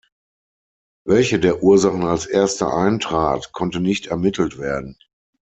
Welche der Ursachen als erste eintrat, konnte nicht ermittelt werden.